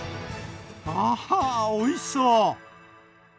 わはおいしそう！